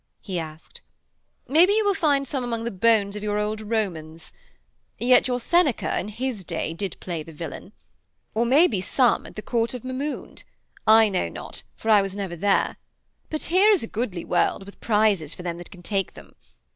he asked. 'Maybe you will find some among the bones of your old Romans. Yet your Seneca, in his day, did play the villain. Or maybe some at the Court of Mahound. I know not, for I was never there. But here is a goodly world, with prizes for them that can take them.